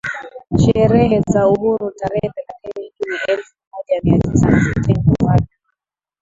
sherehe za Uhuru tarehe thelathini Juni elfu moja Mia Tisa na sitini Mfalme wa